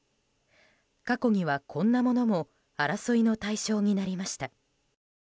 過去には、こんなものも争いの対象になりました。